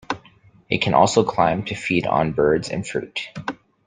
It can also climb to feed on birds and fruit.